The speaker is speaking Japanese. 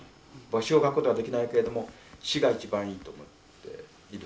詩を書くことはできないけれども詩が一番いいと思っているわけですね。